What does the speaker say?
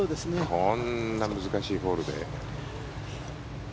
こんな難しいホールで。